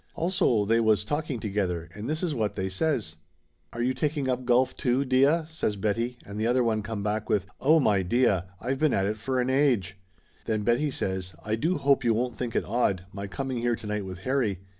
Also 'they was talking together and this is what they says. "Are you taking up golf, too, deah?" says Betty, and the other come back with "Oh, my deah, I've been at it for an age!" Then Betty says, " I*do hope you won't think it odd, my coming here to night with Harry.